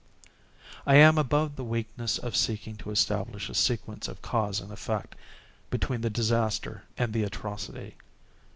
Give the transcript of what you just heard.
I am above the weakness of seeking to establish a sequence of cause and effect, between the disaster and the atrocity.